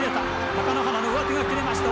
貴乃花の上手が切れました